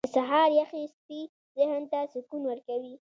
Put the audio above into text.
• د سهار یخې څپې ذهن ته سکون ورکوي.